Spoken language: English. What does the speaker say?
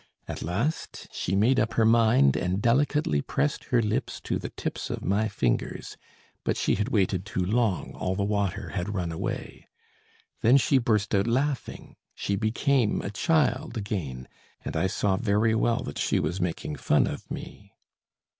At last she made up her mind, and delicately pressed her lips to the tips of my fingers; but she had waited too long, all the water had run away. Then she burst out laughing, she became a child again, and I saw very well that she was making fun of me.